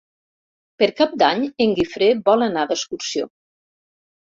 Per Cap d'Any en Guifré vol anar d'excursió.